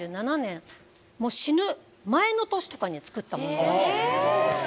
死ぬ前の年とかに作ったもの。